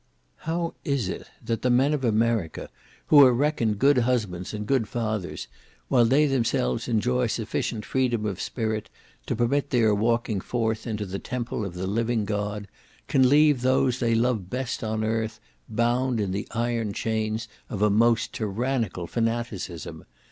How is it that the men of America, who are reckoned good husbands and good fathers, while they themselves enjoy sufficient freedom of spirit to permit their walking forth into the temple of the living God, can leave those they love best on earth, bound in the iron chains of a most tyrannical fanaticism?